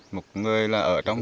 một người là ở trong